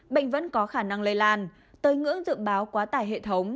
bệnh vẫn có khả năng lây lan tới ngưỡng dự báo quá tải hệ thống